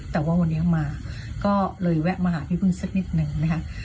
แต่ว่าวันนี้เขามาก็เลยแวะมาหาพี่พึ่งสักนิดนึงนะคะ